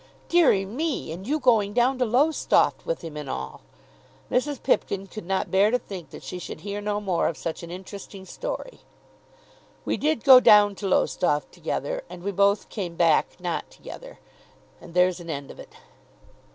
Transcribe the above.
"Dearie me! and you going down to Lowestoft with him, and all." Mrs. Pipkin could not bear to think that she should hear no more of such an interesting story. "We did go down to Lowestoft together, and we both came back, not together. And there's an end of it."